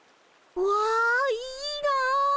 うわいいな。